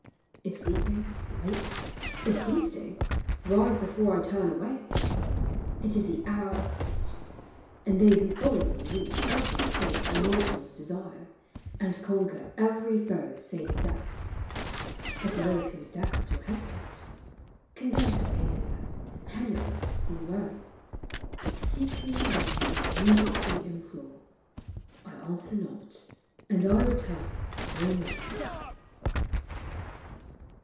If sleeping, wake — if feasting, rise before I turn away. It is the hour of fate, And they who follow me reach every state Mortals desire, and conquer every foe Save death ; but those who doubt or hesitate, Condemned to failure, penury, and woe, Seek me in vain and uselessly implore — I answer not, and I return no more.